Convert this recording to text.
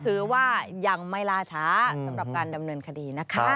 ถือว่ายังไม่ล่าช้าสำหรับการดำเนินคดีนะคะ